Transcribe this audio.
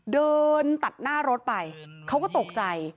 เดินตัดหน้ารถไปเขาก็ตกใจ